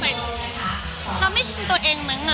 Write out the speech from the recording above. มันเหมือนกับมันเหมือนกับมันเหมือนกับ